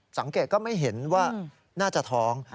สังเกตก็ไม่เห็นว่าน่าจะท้อง